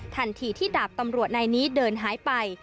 ทันทีที่ดาบตำรวจนายนี้เดินหายไป